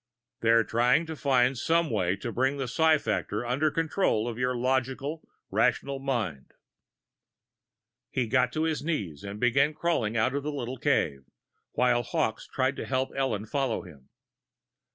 "They're trying to find some way to bring the psi factor under the control of your logical, rational mind." He got to his knees and began crawling out of the little cave, while Hawkes tried to help Ellen follow him.